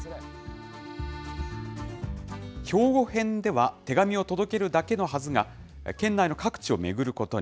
兵庫編では、手紙を届けるだけのはずが、県内の各地を巡ることに。